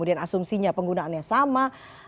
asumsinya penggunaannya sama